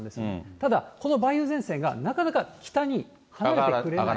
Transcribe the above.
ただ、この梅雨前線がなかなか北に離れてくれない。